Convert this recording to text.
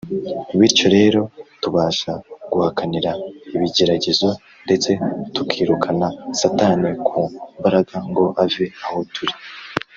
Bityo rero tubasha guhakanira ibigeragezo, ndetse tukirukana Satani ku mbaraga ngo ave aho turi.